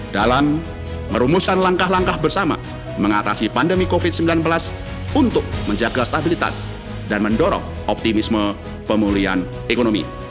dalam merumuskan langkah langkah bersama mengatasi pandemi covid sembilan belas untuk menjaga stabilitas dan mendorong optimisme pemulihan ekonomi